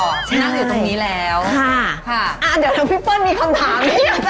เดี๋ยวน้องฟี่เปิ้ลมีคำถาม